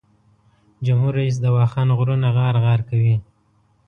جمهور رییس د واخان غرونه غار غار کوي.